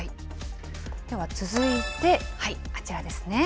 では続いて、あちらですね。